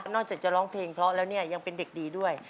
จากจะร้องเพลงเพราะแล้วเนี่ยยังเป็นเด็กดีด้วย